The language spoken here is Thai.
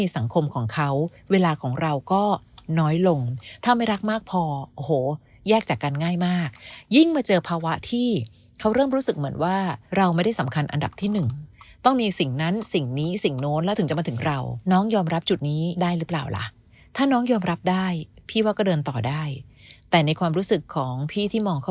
สังคมของเขาเวลาของเราก็น้อยลงถ้าไม่รักมากพอโอ้โหแยกจากกันง่ายมากยิ่งมาเจอภาวะที่เขาเริ่มรู้สึกเหมือนว่าเราไม่ได้สำคัญอันดับที่หนึ่งต้องมีสิ่งนั้นสิ่งนี้สิ่งโน้นแล้วถึงจะมาถึงเราน้องยอมรับจุดนี้ได้หรือเปล่าล่ะถ้าน้องยอมรับได้พี่ว่าก็เดินต่อได้แต่ในความรู้สึกของพี่ที่มองเขา